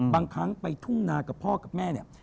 บางครั้งไปทุ่งนากับพ่อกับแม่เนี่ย